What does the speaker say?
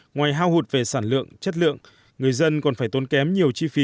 ngoài hao hụt về sản lượng chất lượng người dân còn phải tốn kém nhiều chi phí